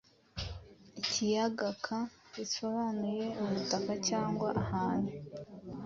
ikiyaga” ; Ka risobanuye « ubutaka » cyangwa « ahantu »“.